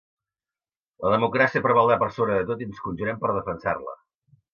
La democràcia prevaldrà per sobre de tot i ens conjurem per defensar-la!